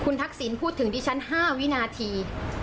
คุณทักษิณพูดถึงที่ฉัน๕วินาที